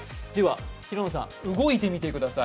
平野さん、動いてみてください。